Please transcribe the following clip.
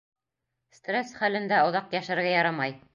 Стресс хәлендә оҙаҡ йәшәргә ярамай.